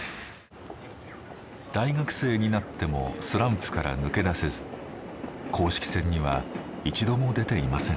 大学生になってもスランプから抜け出せず公式戦には一度も出ていません。